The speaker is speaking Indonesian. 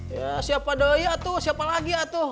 ya siapa doya tuh siapa lagi ya tuh